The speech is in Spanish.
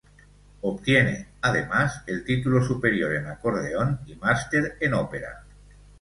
Obtiene, además, el Título Superior en Acordeón y Máster en Ópera.